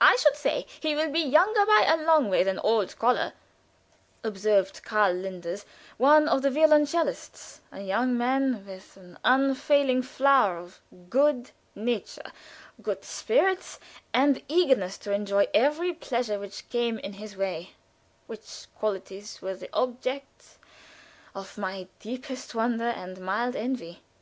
"I should say he will be younger by a long way than old Kohler," observed Karl Linders, one of the violoncellists, a young man with an unfailing flow of good nature, good spirits, and eagerness to enjoy every pleasure which came in his way, which qualities were the objects of my deep wonder and mild envy.